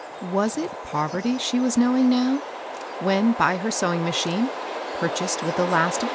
Was it ' poverty she was knowing now, when by her sew ing machine, — purchased with the last of the (21) 22 MABEL KOSS.